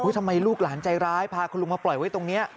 ทำไมลูกหลานใจร้ายพาคุณลุงมาปล่อยไว้ตรงนี้